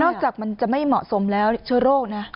จากมันจะไม่เหมาะสมแล้วเชื้อโรคนะ